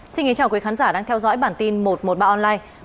xin kính chào quý khán giả đang theo dõi bản tin một trăm một mươi ba online